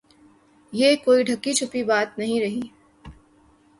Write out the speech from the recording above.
یہ کوئی ڈھکی چھپی بات نہیں رہی۔